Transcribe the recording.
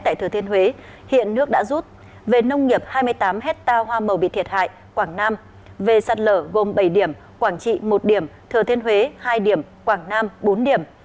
tại thừa thiên huế hiện nước đã rút về nông nghiệp hai mươi tám hectare hoa màu bị thiệt hại quảng nam về sạt lở gồm bảy điểm quảng trị một điểm thừa thiên huế hai điểm quảng nam bốn điểm